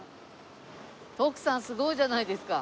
徳さんすごいじゃないですか。